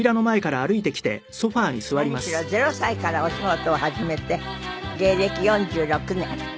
何しろ０歳からお仕事を始めて芸歴４６年。